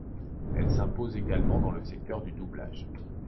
Elle s'impose également dans le secteur du doublage.